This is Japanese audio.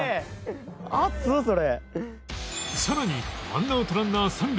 さらに１アウトランナー三塁